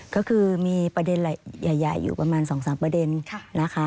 ก็คือมีประเด็นใหญ่อยู่ประมาณ๒๓ประเด็นนะคะ